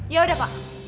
ya udah pak